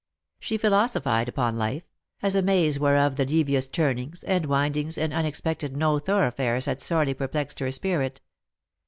She philosophised upon life— as a maze whereof the devious turnings, and windings, and unexpected no thorough fares had sorely perplexed her spirit.